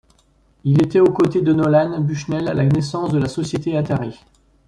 Il était aux côtés de Nolan Bushnell à la naissance de la société Atari.